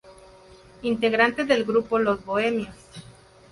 Integrante del grupo "Los Bohemios".